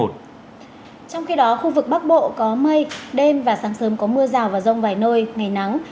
trong khi đó khu vực bắc bộ có mây đêm và sáng sớm có mưa rào và rông vài nơi ngày nắng